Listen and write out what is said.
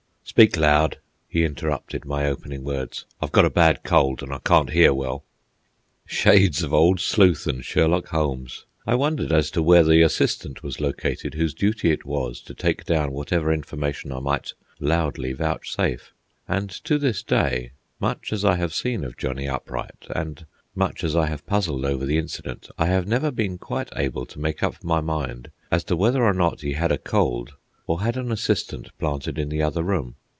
"Speak loud," he interrupted my opening words. "I've got a bad cold, and I can't hear well." Shades of Old Sleuth and Sherlock Holmes! I wondered as to where the assistant was located whose duty it was to take down whatever information I might loudly vouchsafe. And to this day, much as I have seen of Johnny Upright and much as I have puzzled over the incident, I have never been quite able to make up my mind as to whether or not he had a cold, or had an assistant planted in the other room.